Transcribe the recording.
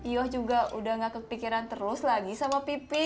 yoh juga udah nggak kepikiran terus lagi sama pipih